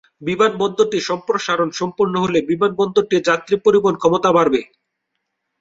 বিমানবন্দরটির সম্প্রসারণ সম্পূর্ণ হলে বিমানবন্দরটির যাত্রী পরিবহন ক্ষমতা বাড়বে।